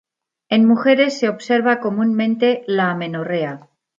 En mujeres se observa comúnmente la amenorrea.